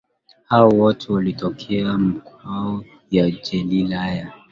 Hao wote walitokea mkoa wa Galilaya